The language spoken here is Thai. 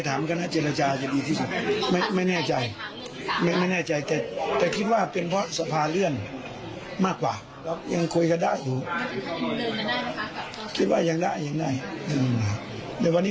ทางหน้าก็ไม่เอาทางนั้นก็ไม่เอาทางนี้ก็ไม่เอาทางนั้น